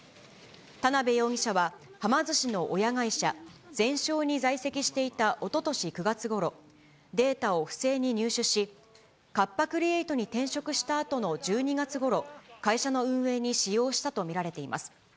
田辺容疑者は、はま寿司の親会社、ゼンショーに在籍していたおととし９月ごろ、データを不正に入手し、カッパ・クリエイトに転職したあとの１２月ごろ、会社の運営に使用したと見られています。